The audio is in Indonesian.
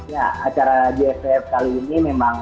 ya acara jff kali ini memang